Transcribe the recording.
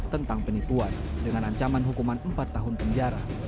tentang penipuan dengan ancaman hukuman empat tahun penjara